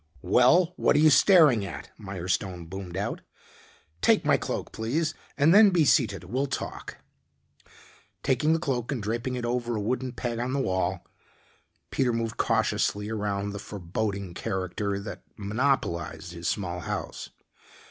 "Well, what are you staring at?" Mirestone boomed out. "Take my cloak, please, then be seated. We'll talk." Taking the cloak and draping it over a wooden peg in the wall, Peter moved cautiously around the foreboding character that monopolized his small house.